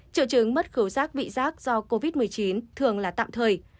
triệu chứng mất khấu giác vị giác do covid một mươi chín thường là tạm thời